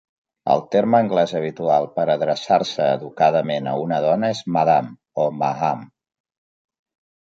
El terme anglès habitual per adreçar-se educadament a una dona és "Madam" o "Ma'am".